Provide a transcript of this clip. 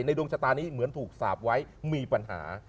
ดวงชะตานี้เหมือนถูกสาปไว้มีปัญหา